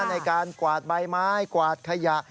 ในการกวาดใบไม้กวาดขยะ